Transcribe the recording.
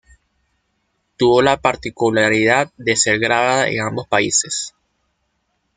Tuvo la particularidad de ser grabada en ambos países.